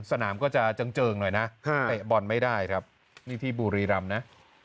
สนามก็จะเจิงหน่อยนะเตะบอลไม่ได้ครับนี่ที่บุรีรำนะ